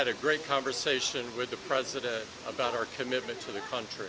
dan saya mengadakan perbicaraan yang bagus dengan presiden tentang komitmen kita kepada negara